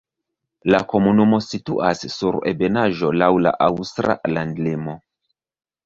La komunumo situas sur ebenaĵo laŭ la aŭstra landlimo.